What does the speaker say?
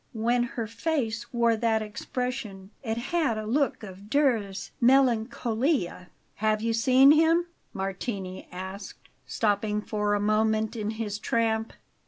When her face wore that expression, it had a look of Durer's "Melancolia." "Have you seen him?" Martini asked, stopping for a moment in his tramp.